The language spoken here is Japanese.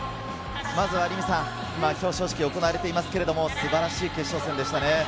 まずは凛美さん、表彰式が行われていますが、素晴らしい決勝戦でしたね。